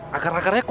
malam ya pak